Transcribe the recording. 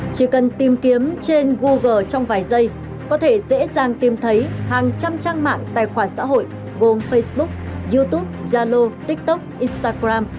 chỉ cần tìm kiếm trên google trong vài giây có thể dễ dàng tìm thấy hàng trăm trang mạng tài khoản xã hội gồm facebook youtube yalo tiktok instagram